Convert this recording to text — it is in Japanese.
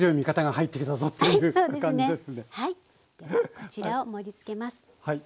こちらを盛りつけます。